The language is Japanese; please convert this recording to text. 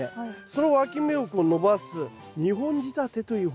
そのわき芽を伸ばす２本仕立てという方法もあるんです。